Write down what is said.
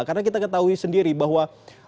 karena kita ketahui sendiri bahwa